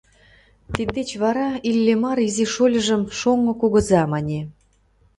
Тиддеч вара Иллимар изи шольыжым «шоҥго кугыза» мане.